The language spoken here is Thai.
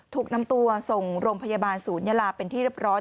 ถูกนำตัวส่งโรงพยาบาลศูนยาลาเป็นที่เรียบร้อย